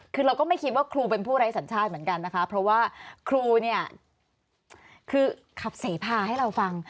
คือเราก็ไม่คิดว่าครูเป็นผู้ไร้สัญชาติเหมือนกันนะคะเพราะว่าครูเนี่ยคือขับเสพาให้เราฟัง